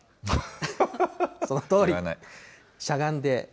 そのとおり、しゃがんで。